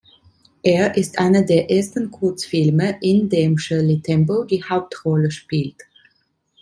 Er ist einer der ersten Kurzfilme, in dem Shirley Temple die Hauptrolle spielt.